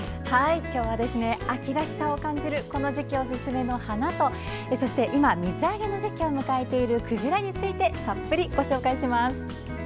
今日は秋らしさを感じるこの時期おすすめの花と今、水揚げの時期を迎えているクジラについてたっぷりご紹介します。